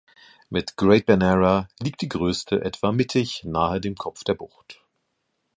Mit Great Bernera liegt die größte etwa mittig nahe dem Kopf der Bucht.